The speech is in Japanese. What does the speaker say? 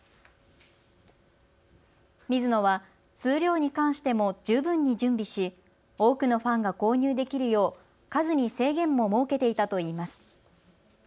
ミズノは数量に関しても十分に準備し多くのファンが購入できるよう数に制限も設けていたといいます。